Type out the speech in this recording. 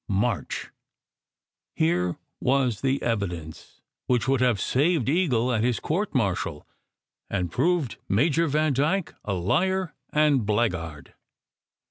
"MARCH." Here was the evidence which would have saved Eagle at his court martial and proved Major Vandyke a liar and blackguard.